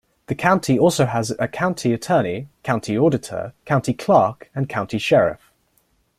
The county also has a County Attorney, County Auditor, County Clerk, and County Sheriff.